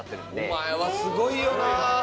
お前はすごいよな。